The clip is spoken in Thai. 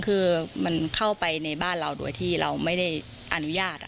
คือมันเข้าไปในบ้านเราโดยที่เราไม่ได้อนุญาต